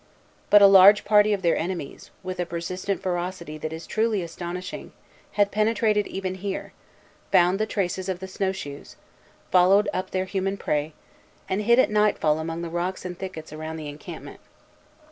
But a large party of their enemies, with a persistent ferocity that is truly astonishing, had penetrated even here, found the traces of the snow shoes, followed up their human prey, and hid at nightfall among the rocks and thickets around the encampment.